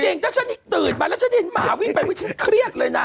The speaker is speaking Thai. ถ้าฉันตื่นมาแล้วฉันเห็นหมาวิ่งไปอุ๊ยฉันเครียดเลยนะ